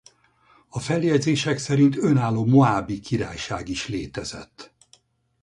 A feljegyzések szerint önálló Moábi Királyság is létezett.